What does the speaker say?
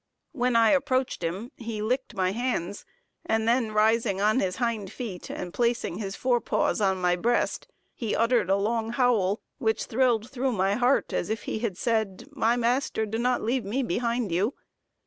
When I approached him, he licked my hands, and then rising on his hind feet and placing his fore paws on my breast, he uttered a long howl, which thrilled through my heart, as if he had said, "My master, do not leave me behind you."